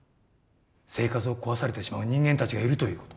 生活を壊されてしまう人間たちがいるということ。